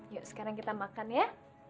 yuk sekarang kita makan ya